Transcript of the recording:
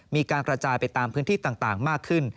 มีการกระจายไปตามพื้นที่ต่างมากขึ้น